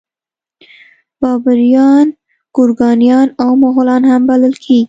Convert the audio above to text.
بابریان ګورکانیان او مغولان هم بلل کیږي.